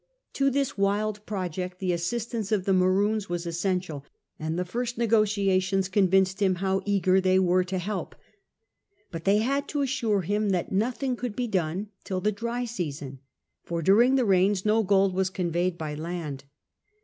To this wild project the assistance of the Maroons was essentia], and the first negotiations convinced him how eager they were to help. But they had to assure him that nothing could , be done till the dry season, for during the rains no gold was conveyed by land.